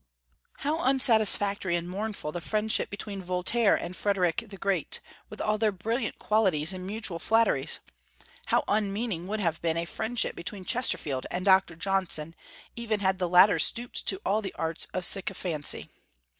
How unsatisfactory and mournful the friendship between Voltaire and Frederic the Great, with all their brilliant qualities and mutual flatteries! How unmeaning would have been a friendship between Chesterfield and Dr. Johnson, even had the latter stooped to all the arts of sycophancy!